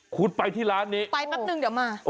คุณไปที่ร้านนี้ไปแป๊บนึงเดี๋ยวมา